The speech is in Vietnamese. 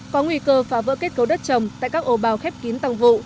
có nguy cơ phá vỡ kết cấu đất trồng tại các ô bào khép kín tăng vụ